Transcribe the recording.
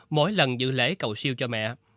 mỗi lần giữ lễ cầu siêu cho mẹ